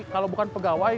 kalau bukan pegawai